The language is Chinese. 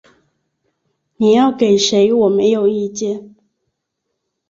你要给谁我没有意见